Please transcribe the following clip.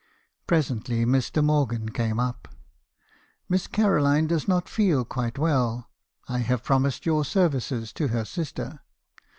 "Presently Mr. Morgan came up. " 'Miss Caroline does not feel quite well. I have promised your services to her sister.'